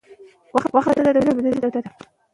بوخت خلک ذهني ثبات او مثبت فکر لري.